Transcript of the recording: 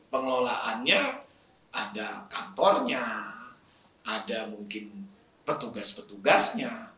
pengelolaannya ada kantornya ada mungkin petugas petugasnya